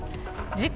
事故